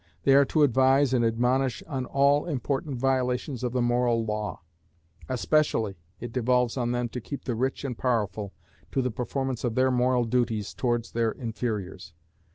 They are to advise and admonish on all important violations of the moral law. Especially, it devolves on them to keep the rich and powerful to the performance of their moral duties towards their inferiors.